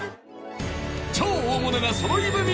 超大物が揃い踏み！